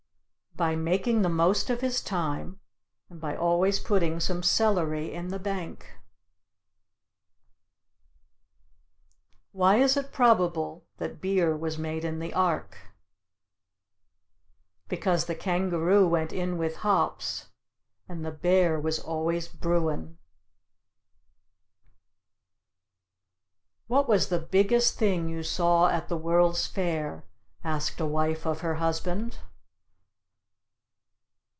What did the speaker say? By making the most of his thyme, and by always putting some celery in the bank. Why is it probable that beer was made in the Ark? Because the kangaroo went in with hops, and the bear was always bruin. "What was the biggest thing you saw at the World's Fair?" asked a wife of her husband.